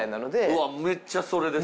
うわめっちゃそれです。